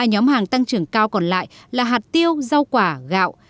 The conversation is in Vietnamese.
ba nhóm hàng tăng trưởng cao còn lại là hạt tiêu rau quả gạo